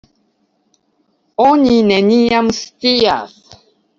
Oni neniam scias!